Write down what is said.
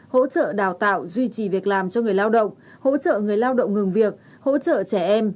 hỗ trợ đào tạo duy trì việc làm cho người lao động hỗ trợ người lao động ngừng việc hỗ trợ trẻ em